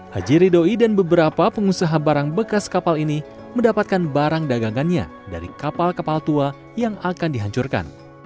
haji ridoi dan beberapa pengusaha barang bekas kapal ini mendapatkan barang dagangannya dari kapal kapal tua yang akan dihancurkan